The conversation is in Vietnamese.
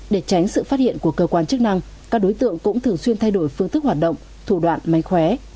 để tránh sự phát hiện của cơ quan chức năng các đối tượng cũng thường xuyên thay đổi phương thức hoạt động thủ đoạn may khóe